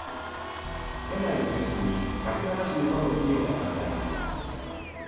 県内を中心に１７５の企業や団体が参加しました。